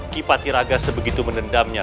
kipati raga sebegitu menendamnya